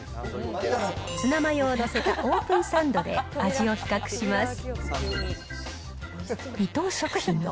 ツナマヨを載せたオープンサンドで、味を比較します。